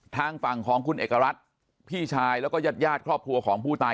ทางฝั่งของคุณเอกรัฐพี่ชายแล้วก็ญาติญาติครอบครัวของผู้ตาย